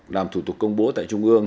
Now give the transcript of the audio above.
làm thủ tục công bố tại trung ương